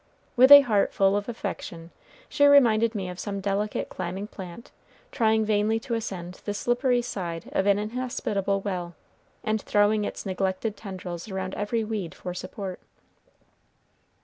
With a heart full of affection, she reminded me of some delicate, climbing plant trying vainly to ascend the slippery side of an inhospitable wall, and throwing its neglected tendrils around every weed for support.